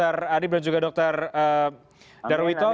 terima kasih dokter adib dan juga dokter darwito